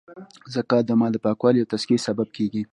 زکات د مال د پاکوالې او تذکیې سبب کیږی.